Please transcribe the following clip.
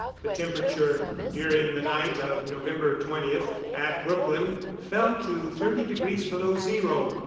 The temperature during the night of November 20, at Brookline, fell to thirty degrees below zero.